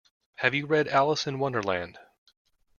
Have you read Alice in Wonderland?